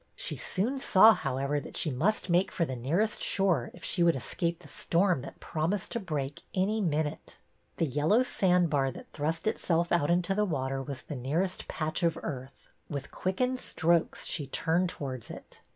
She soon saw, however, that she must make for the nearest shore if she would escape the storm that promised to break any minute. The yellow sandbar that thrust itself out into the water was the nearest patch of earth. With quickened strokes she turned towards it.